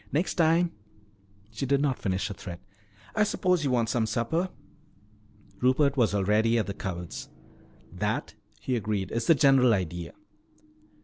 Next time " she did not finish her threat. "I suppose you want some supper?" Rupert was already at the cupboards. "That," he agreed, "is the general idea."